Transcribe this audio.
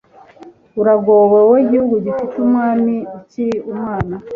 uragowe, wowe gihugu gifite umwami ukiri umwana